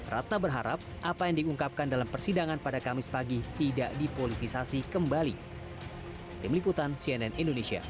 ratna berharap apa yang diungkapkan dalam persidangan pada kamis pagi tidak dipolitisasi kembali